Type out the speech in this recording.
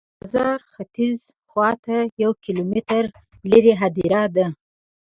د دې بازار ختیځ خواته یو کیلومتر لرې هدیره ده.